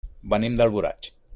Venim d'Alboraig.